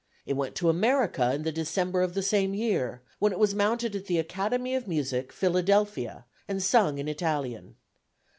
It went to America in the December of the same year, when it was mounted at the Academy of Music, Philadelphia, and sung in Italian.